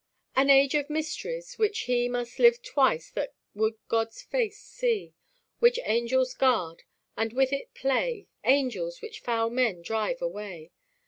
An age of mysteries! which he Must live twice that would God's face see; Which angels guard, and with it play, Angels! which foul men drive away.